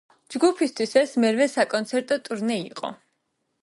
ჯგუფისათვის ეს მერვე საკონცერტო ტურნე იყო.